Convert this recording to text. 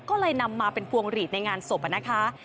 ก็เลยนำมาเป็นพวงหลีดในงานศพนะคะ